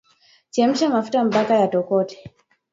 Chemsha mafuta mpaka yatokote